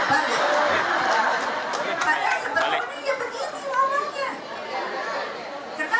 padahal sebenarnya ya begini semuanya